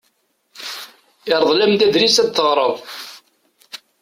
Irḍel-am-d adlis ad t-teɣreḍ.